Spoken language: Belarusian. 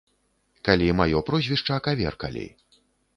Калі маё прозвішча каверкалі.